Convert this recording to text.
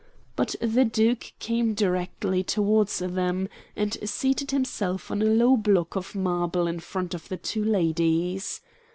But the Duke came directly towards them, and seated himself on a low block of marble in front of the two ladies.